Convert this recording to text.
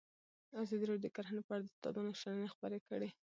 ازادي راډیو د کرهنه په اړه د استادانو شننې خپرې کړي.